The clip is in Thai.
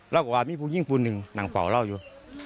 ร่าก็บอกว่ามีผู้หญิงคนนึงนั่งฝ่าเร่าอยู่